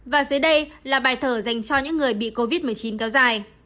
và dưới đây là bài thở dành cho những người bị covid một mươi chín kéo dài